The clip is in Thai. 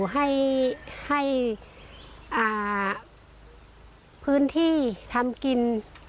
ให้พื้นที่ทำกิน